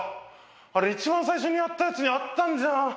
あれ一番最初にやったやつにあったんじゃん。